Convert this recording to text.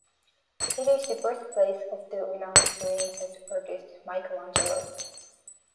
It is the birthplace of the renowned Renaissance artist Michelangelo.